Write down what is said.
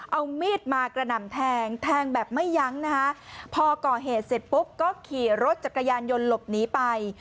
เอามีดมากระหน่ำแทงแทงแบบไม่ยั้งนะคะพอก่อเหตุเสร็จปุ๊บก็ขี่รถจักรยานยนต์หลบหนีไป